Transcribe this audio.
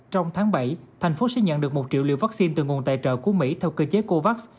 trong tháng bảy thành phố sẽ nhận được một triệu liều vaccine từ nguồn tài trợ của mỹ theo cơ chế covax